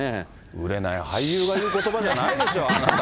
売れない俳優が言うことばじゃないでしょ、あなた。